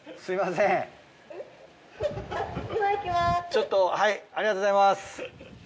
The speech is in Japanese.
ちょっとはいありがとうございます。